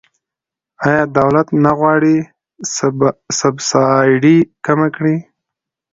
آیا دولت نه غواړي سبسایډي کمه کړي؟